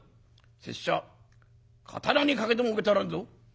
拙者刀にかけても受け取らんぞ。